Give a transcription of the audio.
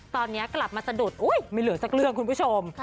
ตอนนี้กลับมาสะดุดไม่เหลือสักเรื่องคุณผู้ชม